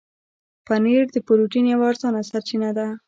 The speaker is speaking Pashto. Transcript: پنېر د پروټين یوه ارزانه سرچینه ده.